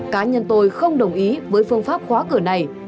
cá nhân tôi không đồng ý với phương pháp khóa cửa này